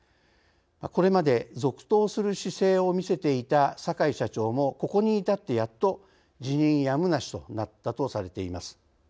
これまで続投する姿勢を見せていた坂井社長もここに至って、やっと辞任やむなしとなったとされています。